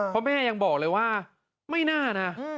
เพราะแม่ยังบอกเลยว่าไม่น่านะ